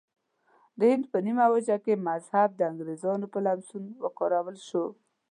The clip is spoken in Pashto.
د هند په نیمه وچه کې مذهب د انګریزانو په لمسون وکارول شو.